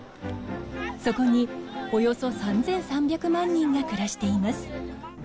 そこにおよそ３３００万人が暮らしています。